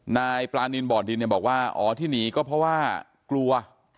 นายปลานินบ่อดินเนี่ยบอกว่าอ๋อที่หนีก็เพราะว่ากลัว